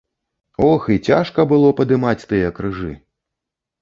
Ох, і цяжка было падымаць тыя крыжы!